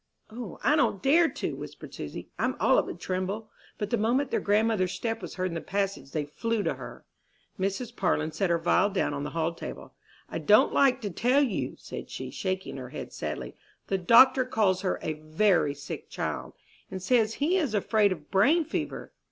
"O, I don't dare to," whispered Susy, "I'm all of a tremble." But the moment their grandmother's step was heard in the passage they flew to her. Mrs. Parlin set her vial down on the hall table. "I don't like to tell you," said she, shaking her head sadly; "the doctor calls her a very sick child, and says he is afraid of brain fever."